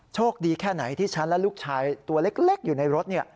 โชคดีแค่ไหนที่ฉันและลูกชายตัวเล็กอยู่ในรถ